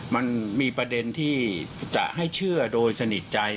มันมีประเด็นที่จะให้เชื่อโดยสนิทใจ